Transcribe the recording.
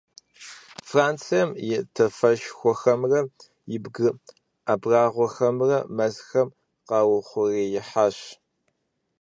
Францием и тафэшхуэхэмрэ и бгы абрагъуэхэмрэ мэзхэм къаухъуреихьащ.